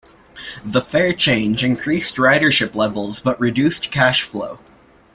The fare change increased ridership levels but reduced cash flow.